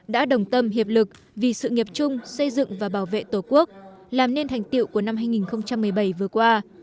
đã đồng tâm hiệp lực vì sự nghiệp chung xây dựng và bảo vệ tổ quốc làm nên thành tiệu của năm hai nghìn một mươi bảy vừa qua